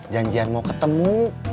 janjian mau ketemu